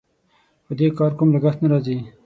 په دې کار کوم لګښت نه راځي.